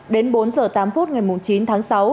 đến bốn h tám phút ngày chín tháng sáu